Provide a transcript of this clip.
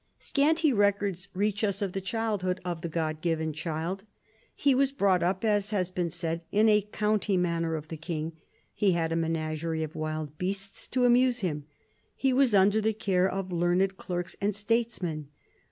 Scanty records reach us of the childhood of the "god given child." He was brought up, as has been said, in a county manor of the king. He had a menagerie of wild beasts to amuse him. He was under the care of learned clerks and statesmen.